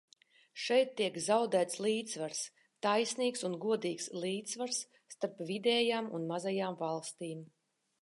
Šeit tiek zaudēts līdzsvars, taisnīgs un godīgs līdzsvars, starp vidējām un mazajām valstīm.